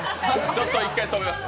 ちょっと１回止めます。